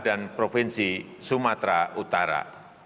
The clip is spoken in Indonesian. dan provinsi sumatera utara